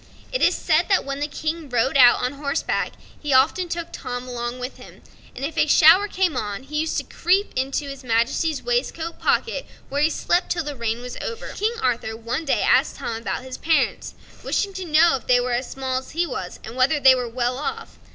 It is said that when the King rode out on horseback he often took Tom along with him, and if a shower came on he used to creep into his Majesty's waistcoat pocket, where he slept till the rain was over. King Arthur one day asked Tom about his parents, wishing to know if they were as small as he was, and whether they were well off.